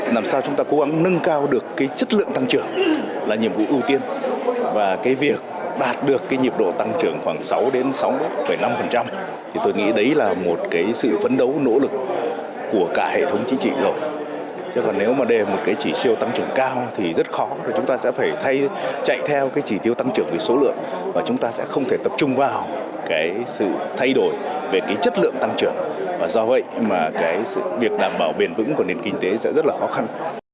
nhưng mà việc đảm bảo bền vững của nền kinh tế sẽ rất là khó khăn